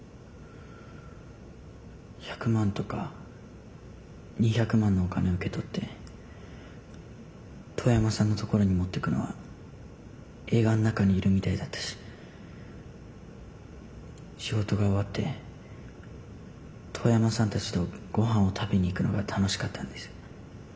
１００万とか２００万のお金を受け取って遠山さんのところに持ってくのは映画の中にいるみたいだったし仕事が終わって遠山さんたちとごはんを食べに行くのが楽しかったんです。